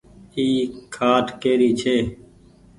اي کآٽ ڪيري ڇي ۔